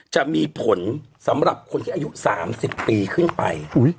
จะมีผลสำหรับคนที่อายุ๓๐ปีขึ้นไป